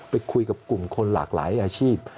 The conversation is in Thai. ไปคุยกับกลุ่มคนหลากหลายอาชีพ